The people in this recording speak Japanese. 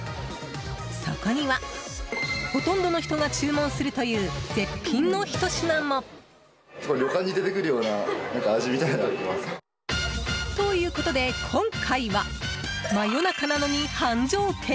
そこにはほとんどの人が注文するという絶品のひと品も。ということで、今回は真夜中なのに繁盛店。